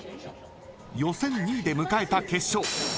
予選２位で迎えた決勝。